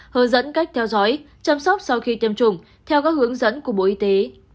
hướng dẫn cách theo dõi chăm sóc sau khi tiêm chủng theo các hướng dẫn của bộ y tế